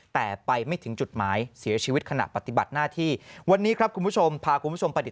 แต่ไปไม่ถึงจุดหมายเสียชีวิตขณะปฏิบัติหน้าที่